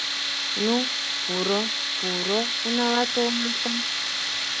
Ну, пуро, пуро, унала толынат гын!